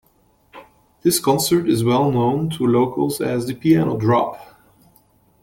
This concert is well-known to locals as the Piano Drop.